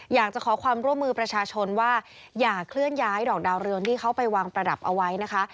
อยากจะขอความร่วมมือประชาชนว่าอย่าเคลื่อนย้ายดอกดาวเรืองที่เขาไปวางประดับเอาไว้นะคะ